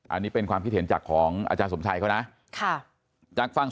อันนี้เป็นความคิดเห็นจากของอาจารย์สมชัยเขานะ